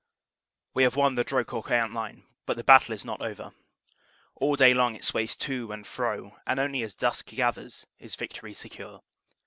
* We have won the Drocourt Queant line, but the battle is not over. All day long it sways to and fro, and only as dusk gathers is victory secure.